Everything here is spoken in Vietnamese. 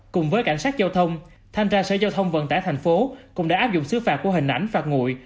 cùng với cảnh sát giao thông thanh tra sở giao thông vận tải thành phố cũng đã áp dụng xứ phạt của hình ảnh phạt nguội